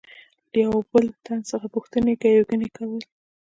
له یوه بل تن څخه پوښتنې ګروېږنې کول.